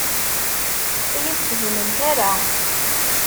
Ur iyi-tefhimemt ara.